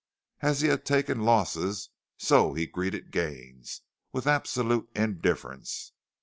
As he had taken losses so he greeted gains with absolute indifference.